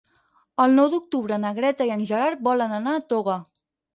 El nou d'octubre na Greta i en Gerard volen anar a Toga.